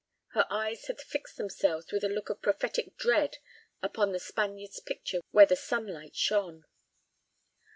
Her eyes had fixed themselves with a look of prophetic dread upon the Spaniard's picture where the sunlight shone.